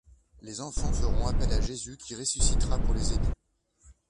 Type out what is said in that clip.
Les enfants feront appel à Jésus qui ressuscitera pour les aider.